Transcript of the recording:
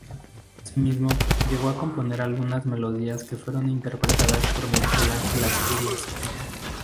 Así mismo, llegó a componer algunas melodías que fueron interpretadas por Miguel Ángel Asturias.